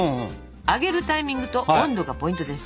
揚げるタイミングと温度がポイントです。